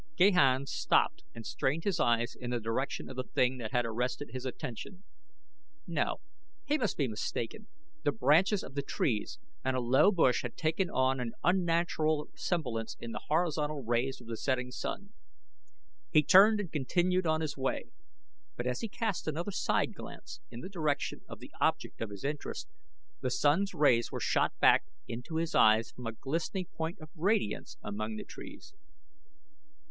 Gahan stopped and strained his eyes in the direction of the thing that had arrested his attention. No, he must be mistaken the branches of the trees and a low bush had taken on an unnatural semblance in the horizontal rays of the setting sun. He turned and continued upon his way; but as he cast another side glance in the direction of the object of his interest, the sun's rays were shot back into his eyes from a glistening point of radiance among the trees.